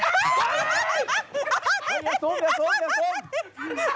อย่าซูม